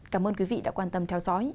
cảm ơn quý vị đã quan tâm theo dõi